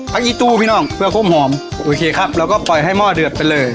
อีตู้พี่น้องเพื่อก้มหอมโอเคครับเราก็ปล่อยให้หม้อเดือดไปเลย